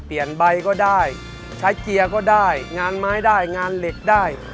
เปลี่ยนใบก็ได้ใช้เกียร์ก็ได้งานไม้ได้งานเหล็กได้